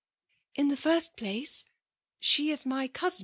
In the first place, she is my ooomi."